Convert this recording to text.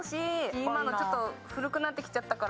今のちょっと古くなってきちゃったから。